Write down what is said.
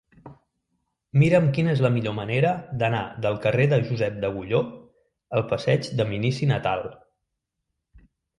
Mira'm quina és la millor manera d'anar del carrer de Josep d'Agulló al passeig de Minici Natal.